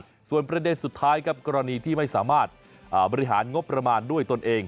ส่วนประเด็นสุดท้ายครับกรณีที่ไม่สามารถบริหารงบประมาณด้วยตนเอง